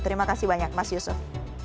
terima kasih banyak mas yusuf